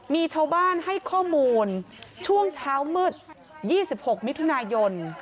มีชาวบ้านให้ข้อมูลช่วงเช้ามืด๒๖มิถุนายน